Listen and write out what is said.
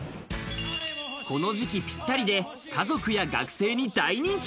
この時期ぴったりで、家族や学生に大人気。